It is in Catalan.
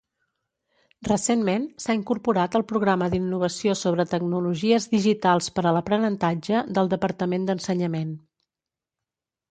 Recentment s'ha incorporat al programa d'innovació sobre Tecnologies Digitals per a l'Aprenentatge del Departament d'Ensenyament.